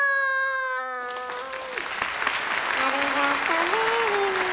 ありがとねみんな。